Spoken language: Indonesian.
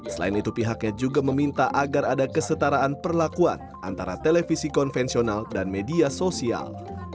selain itu pihaknya juga meminta agar ada kesetaraan perlakuan antara televisi konvensional dan media sosial